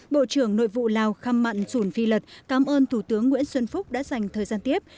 bộ trưởng nội vụ lào khăm mặn sùn phi lợt cảm ơn thủ tướng nguyễn xuân phúc đã dành thời gian tiếp